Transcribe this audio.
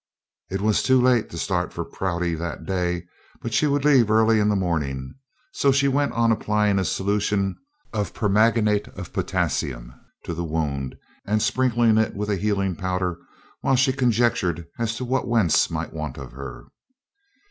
It was too late to start for Prouty that day, but she would leave early in the morning, so she went on applying a solution of permanganate of potassium to the wound and sprinkling it with a healing powder while she conjectured as to what Wentz might want of her.